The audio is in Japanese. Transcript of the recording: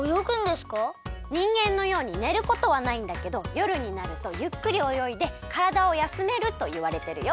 にんげんのようにねることはないんだけどよるになるとゆっくりおよいでからだをやすめるといわれてるよ。